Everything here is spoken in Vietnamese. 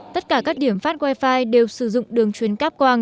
tất cả các điểm phát wi fi đều sử dụng đường chuyến cáp quang